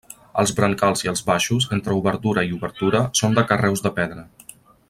Els brancals i els baixos, entre obertura i obertura, són de carreus de pedra.